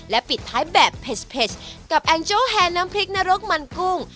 ปิดท้ายแบบเผ็ดกับแองโจ้แฮนน้ำพริกนรกมันกุ้ง